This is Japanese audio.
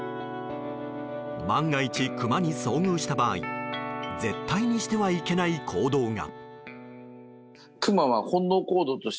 万が一、クマに遭遇した場合絶対にしてはいけない行動が。